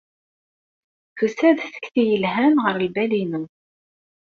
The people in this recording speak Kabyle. Tusa-d tekti yelhan ɣer lbal-inu.